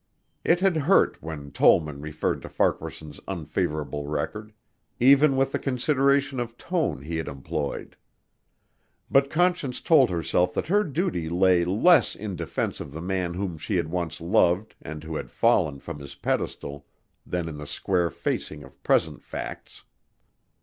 It had hurt when Tollman referred to Farquaharson's unfavorable record, even with the consideration of tone he had employed. But Conscience told herself that her duty lay less in defense of the man whom she had once loved and who had fallen from his pedestal than in the square facing of present facts.